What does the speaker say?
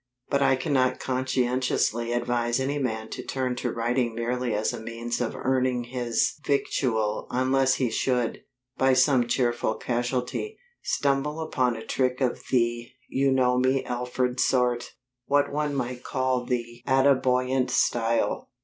But I cannot conscientiously advise any man to turn to writing merely as a means of earning his victual unless he should, by some cheerful casualty, stumble upon a trick of the You know me Alfred sort, what one might call the Attabuoyant style.